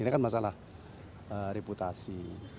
ini kan masalah reputasi